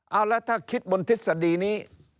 เอาแล้วถ้าคิดบนทฤษฎีนี้